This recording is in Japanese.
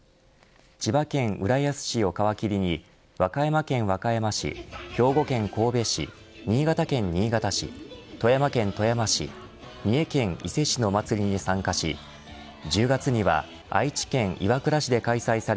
千葉県浦安市を皮切りに和歌山県和歌山市兵庫県神戸市新潟県新潟市富山県富山市三重県伊勢市のお祭りに参加しうーんうわっ！